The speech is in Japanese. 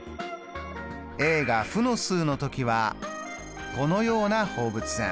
が負の数の時はこのような放物線。